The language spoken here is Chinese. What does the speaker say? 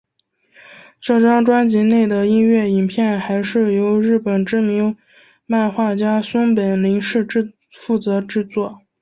这张专辑内的音乐影片还是由日本知名漫画家松本零士负责制作。